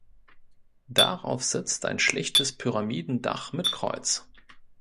Darauf sitzt ein schlichtes Pyramidendach mit Kreuz.